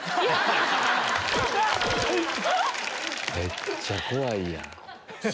めっちゃ怖いやん。